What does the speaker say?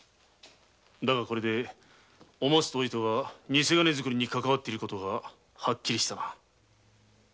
だがこれでお松とお糸がニセ金づくりに関係あることははっきりした。